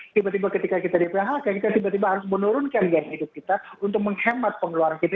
tiba tiba ketika kita di phk kita tiba tiba harus menurunkan gaya hidup kita untuk menghemat pengeluaran kita